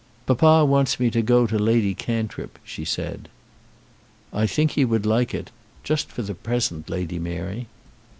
"Papa wants me to go to Lady Cantrip," she said. "I think he would like it, just for the present, Lady Mary."